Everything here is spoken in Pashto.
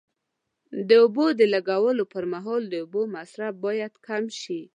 د اوبو د لګولو پر مهال د اوبو مصرف باید کم شي.